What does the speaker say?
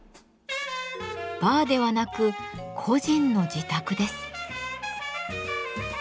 バーではなく個人の自宅です。